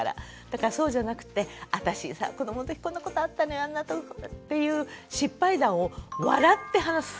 だからそうじゃなくて私子どものときこんなことあったのよあんなことっていう失敗談を笑って話す。